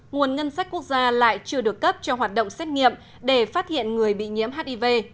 nguồn ngân sách quốc gia lại chưa được cấp cho hoạt động xét nghiệm để phát hiện người bị nhiễm hiv